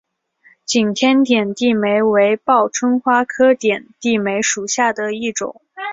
景天点地梅为报春花科点地梅属下的一个种。